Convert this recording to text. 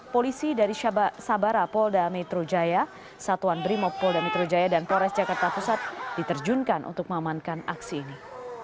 empat ratus polisi dari sabara polda metro jaya satuan brimob polda metro jaya dan polres jakarta pusat diterjunkan untuk memahamankan aksi ini